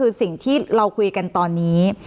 คือสิ่งที่เราคุยกันตอนนี้